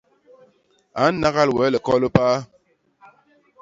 A nnagal wee liko li paa.